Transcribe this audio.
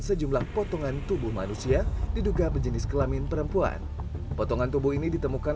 sejumlah potongan tubuh manusia diduga berjenis kelamin perempuan potongan tubuh ini ditemukan